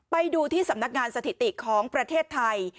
ไปดูที่สำนักงานสถิติของประเทศไทย